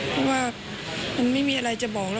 เพราะว่ามันไม่มีอะไรจะบอกแล้ว